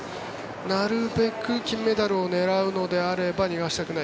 なるべく金メダルを狙うのであれば逃がしたくない。